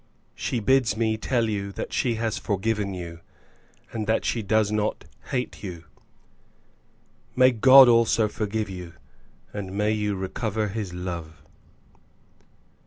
She bids me tell you that she has forgiven you, and that she does not hate you. May God also forgive you, and may you recover his love.